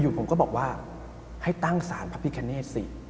อยู่ผมก็บอกว่าให้ตั้งศาลพระภิกรเนสสิ